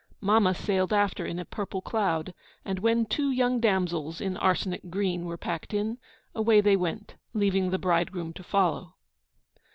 Mamma sailed after in a purple cloud; and when two young damsels, in arsenic green, were packed in, away they went, leaving the bridegroom to follow.